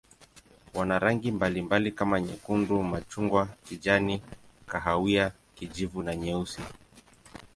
Wana rangi mbalimbali kama nyekundu, machungwa, kijani, kahawia, kijivu na nyeusi.